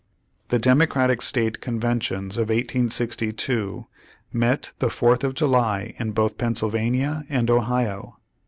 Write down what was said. The Democratic State Conventions of 1862 met the Fourth of July in both Pennsylvania and Ohio.